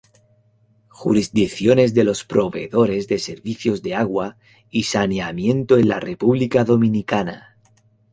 Jurisdicciones de los proveedores de servicios de agua y saneamiento en la República Dominicana.